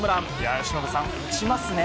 由伸さん、打ちますね。